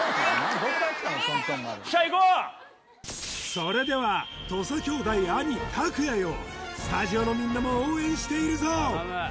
それでは土佐兄弟兄・卓也よスタジオのみんなも応援しているぞ！